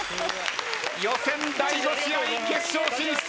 予選第５試合決勝進出